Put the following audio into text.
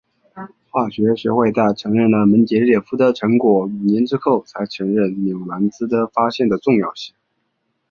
化学学会在承认了门捷列夫的成果五年之后才承认纽兰兹的发现的重要性。